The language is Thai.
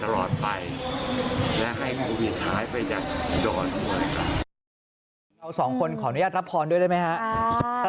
เราสองคนขออนุญาตรับพรด้วยได้ไหมฮะ